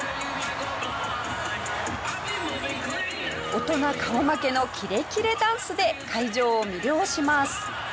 大人顔負けのキレキレダンスで会場を魅了します。